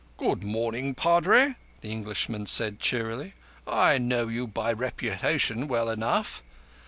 "Good morning, Padre," the Englishman said cheerily. "I know you by reputation well enough.